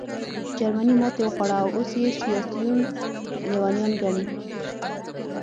جرمني ماتې وخوړه او اوس یې سیاسیون لېونیان ګڼې